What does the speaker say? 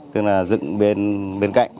tức là dựng bên cạnh